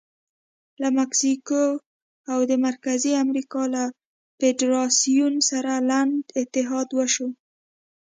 له مکسیکو او د مرکزي امریکا له فدراسیون سره لنډ اتحاد وشو.